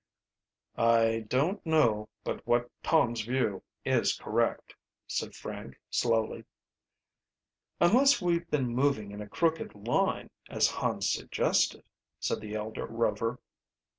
"I don't know but what Tom's view is correct," said Frank slowly, "Unless we've been moving in a crooked line, as Hans suggested," said the elder Rover.